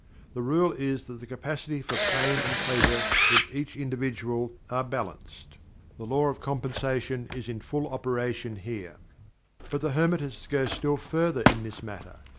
The rule is that the capacity for pain and pleasure, in each individual, are balanced. The Law of Compensation is in full operation here. But the Hermetists go still further in this matter.